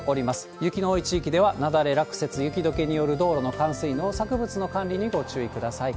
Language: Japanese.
雪の多い地域では、雪崩、落雪、雪どけによる道路の冠水、農作物の管理にご注意ください。